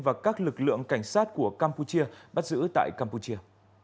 và các lực lượng cảnh sát của campuchia bắt giữ tại campuchia